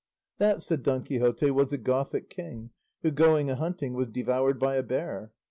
"That," said Don Quixote, "was a Gothic king, who, going a hunting, was devoured by a bear."